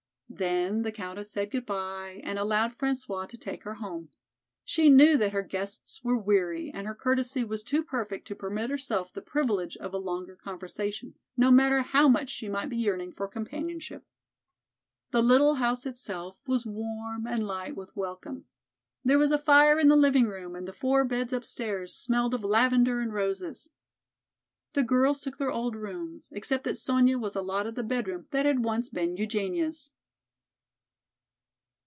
Then the Countess said good by and allowed François to take her home. She knew that her guests were weary and her courtesy was too perfect to permit herself the privilege of a longer conversation, no matter how much she might be yearning for companionship. The little house itself was warm and light with welcome. There was a fire in the living room and the four beds upstairs smelled of lavender and roses. The girls took their old rooms, except that Sonya was allotted the bedroom that had once been Eugenia's.